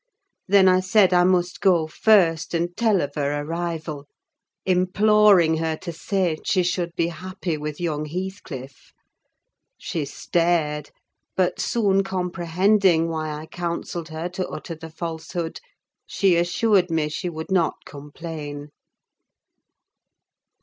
Then I said I must go first, and tell of her arrival; imploring her to say, she should be happy with young Heathcliff. She stared, but soon comprehending why I counselled her to utter the falsehood, she assured me she would not complain.